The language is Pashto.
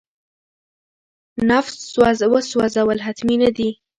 نفس وسوځول حتمي نه دي.